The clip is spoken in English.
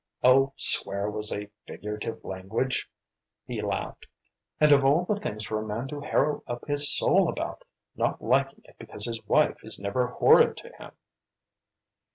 "Oh, swear was figurative language," he laughed. "And of all things for a man to harrow up his soul about! Not liking it because his wife is never horrid to him!"